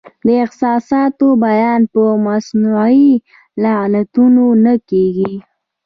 د احساساتو بیان په مصنوعي لغتونو نه کیږي.